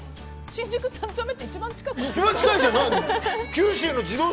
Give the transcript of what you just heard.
新宿３丁目って一番近いじゃん。